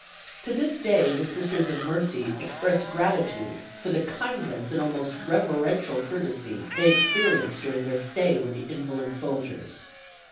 To this day the Sisters of Mercy express gratitude for the kindness and almost reverential courtesy they experienced during their stay with the invalid soldiers.